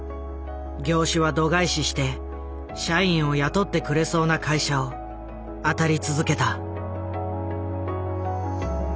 業種は度外視して社員を雇ってくれそうな会社を当たり続けた。